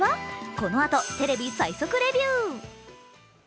このあと、テレビ最速レビュー。